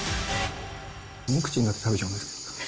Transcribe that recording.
無口になって食べちゃう。